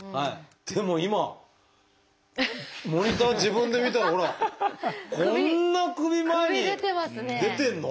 でも今モニター自分で見たらほらこんな首前に出てるの？